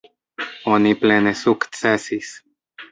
Oni plene sukcesis.